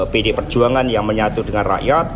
pdi perjuangan yang menyatu dengan rakyat